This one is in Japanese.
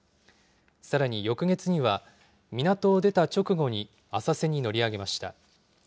さらに翌月には、港を出た直後に浅瀬に乗り上げました。